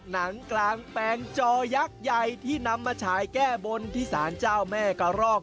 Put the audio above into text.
หนังกลางแปลงจอยักษ์ใหญ่ที่นำมาฉายแก้บนที่สารเจ้าแม่กระรอก